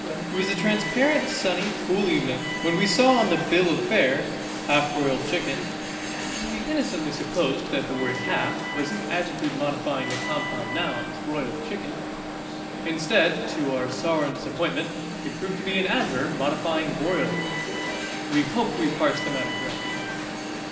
It was a transparent, sunny, cool evening, and when we saw on the bill of fare half broiled chicken, we innocently supposed that the word half was an adjective modifying the compound noun, broiled chicken. Instead, to our sorrow and disappointment, it proved to be an adverb modifying broiled (we hope we parse the matter correctly).